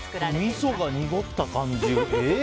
みそが濁った感じ。